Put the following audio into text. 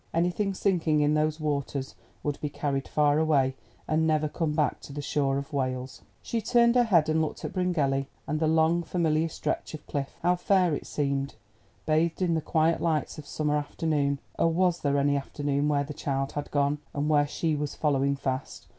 Anything sinking in those waters would be carried far away, and never come back to the shore of Wales. She turned her head and looked at Bryngelly, and the long familiar stretch of cliff. How fair it seemed, bathed in the quiet lights of summer afternoon. Oh! was there any afternoon where the child had gone, and where she was following fast?